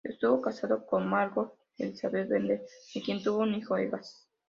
Estuvo casado con Margot Elisabeth Bender, de quien tuvo un hijo, Egas.